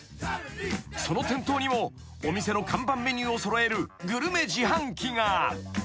［その店頭にもお店の看板メニューを揃えるグルメ自販機が］